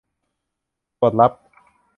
สวดรับ